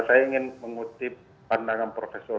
saya ingin mengutip pandangan profesor